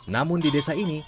namun di desa ini